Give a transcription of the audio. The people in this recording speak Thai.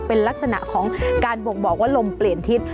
เป็นลักษณะของการบ่งบอกว่าลมเปลี่ยนทิศ